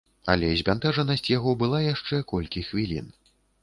Але збянтэжанасць яго была яшчэ колькі хвілін.